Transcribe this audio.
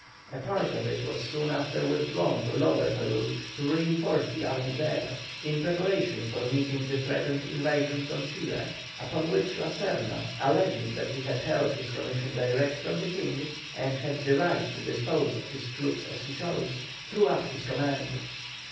A part of it was soon after withdrawn to Lower Peru to reinforce the army there, in preparation for meeting the threatened invasion from Chile, upon which La Serna, alleging that he held his commission direct from the King, and had the right to dispose of his troops as he chose, threw up his command.